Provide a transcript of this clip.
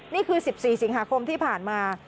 นี่คือ๑๔สิงหาคมที่ผ่านมา